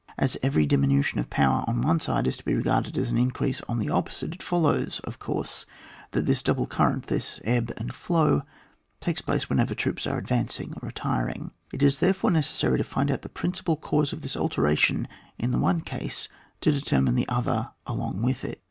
As every diminution of power on one side is to be regarded as an increase on the opposite, it foDows, of course, that this double current, this ebb and flow, takes place whether troops are advancing or retiring. It is therefore necessary to find out the principal cause of this alteration in the one case to determine the other along with it.